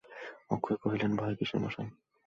অক্ষয় কহিলেন, ভয় কিসের মশায়?